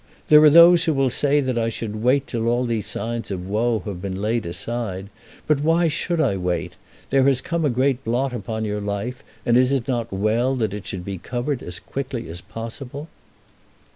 "There are those who will say that I should wait till all these signs of woe have been laid aside. But why should I wait? There has come a great blot upon your life, and is it not well that it should be covered as quickly as possible?"